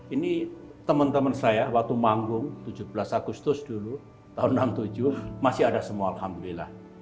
ini teman teman saya waktu manggung tujuh belas agustus dulu tahun seribu sembilan ratus enam puluh tujuh masih ada semua alhamdulillah